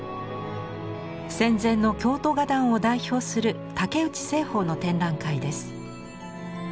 戦前の京都画壇を代表する竹内栖鳳の展覧会です。